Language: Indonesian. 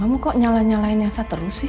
kamu kok nyalah nyalain niasa terus sih